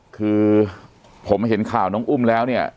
คือผมเห็นข่าวน้องอุ้มแล้วเนี่ย